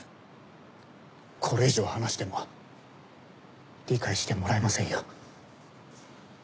これ以上話しても理解してもらえませんよ。